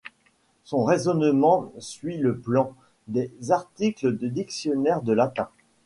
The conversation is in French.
Son raisonnement suit le plan des articles de dictionnaire de latin.